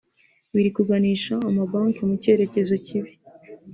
biri kuganisha amabanki mu cyerekezo kibi